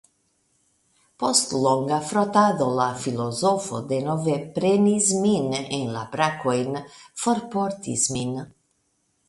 Post longa frotado la filozofo denove prenis min en la brakojn, forportis min.